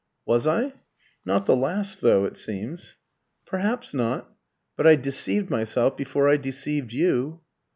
"Was I? Not the last though, it seems." "Perhaps not. But I deceived myself before I deceived you."